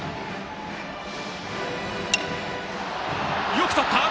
よくとった！